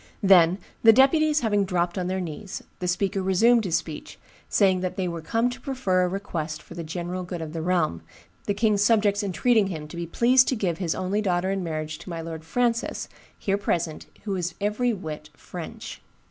"Then, the deputies having dropped on their knees, the speaker resumed his speech, saying that they were come to prefer a request for the general good of the realm, the king's subjects entreating him to be pleased to give his only daughter in marriage to my lord Francis, here present, who is every whit French.